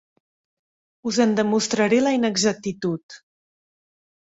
Us en demostraré la inexactitud.